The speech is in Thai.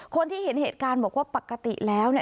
คนที่เห็นเหตุการณ์บอกว่าปกติแล้วเนี่ย